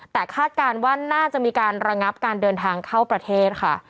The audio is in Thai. แต่คาดการณ์ว่าน่าจะมีการระงับการเดินทางเข้าประเทศค่ะ